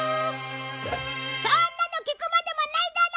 そんなの聞くまでもないだろ！